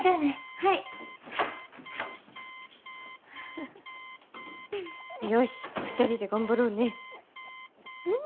はいよし２人で頑張ろうねうん？